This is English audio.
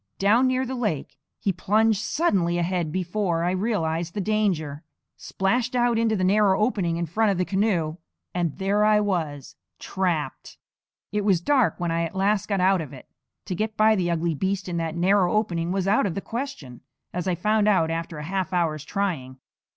Down near the lake he plunged suddenly ahead before I realized the danger, splashed out into the narrow opening in front of the canoe and there I was, trapped. It was dark when I at last got out of it. To get by the ugly beast in that narrow opening was out of the question, as I found out after a half hour's trying.